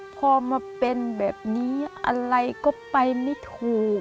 พอมาเป็นแบบนี้อะไรก็ไปไม่ถูก